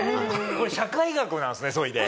これ社会学なんですねそれで。